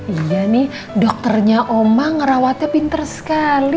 iya nih dokternya omang ngerawatnya pinter sekali